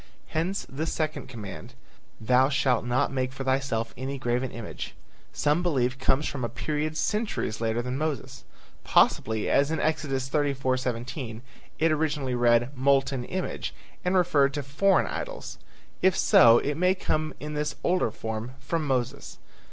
Hence the second command, "Thou shalt not make for thyself any graven image," some believe comes from a period centuries later than Moses. Possibly, as in Exodus 34:17, it originally read "molten image" and referred to foreign idols. If so, it may come in this older form from Moses.